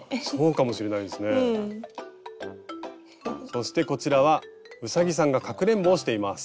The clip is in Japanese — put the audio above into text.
そしてこちらはうさぎさんがかくれんぼをしています。